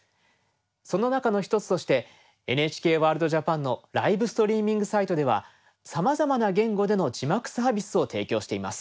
その中の１つとして「ＮＨＫワールドＪＡＰＡＮ」のライブストリーミングサイトではさまざまな言語での字幕サービスを提供しています。